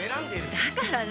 だから何？